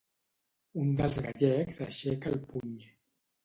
Un dels gallecs aixeca el puny.